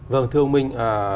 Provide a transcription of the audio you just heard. vâng thưa ông minh